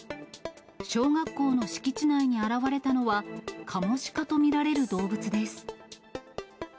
小学校の敷地内に現れたのは、カモシカと見られる動物です。